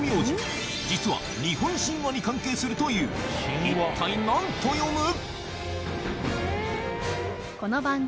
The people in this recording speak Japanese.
実は日本神話に関係するという一体何と読む？